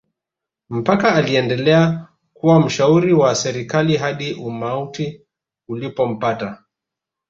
mkapa aliendelea kuwa mshauri wa serikali hadi umauti ulipompata